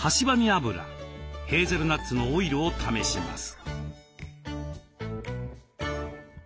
油ヘーゼルナッツのオイルを試します。